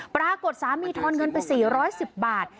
สามีทอนเงินไป๔๑๐บาท